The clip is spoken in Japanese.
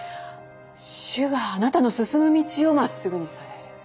主があなたの進む道をまっすぐにされる。